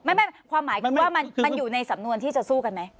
ไม่ความหมายคือว่ามันอยู่ในสำนวนที่จะสู้กันไหม